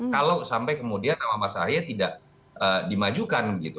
kalau sampai kemudian nama mas ahy tidak dimajukan gitu